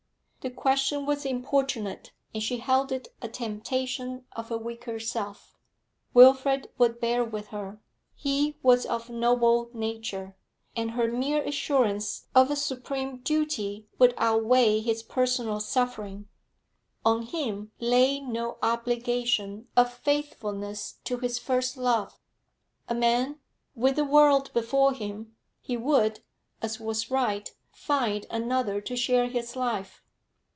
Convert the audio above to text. The question was importunate, and she held it a temptation of her weaker self. Wilfrid would bear with her. He was of noble nature, and her mere assurance of a supreme duty would outweigh his personal suffering. On him lay no obligation of faithfulness to his first love; a man, with the world before him, he would, as was right, find another to share his life.